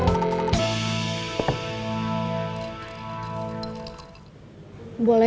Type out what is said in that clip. aku mau bantu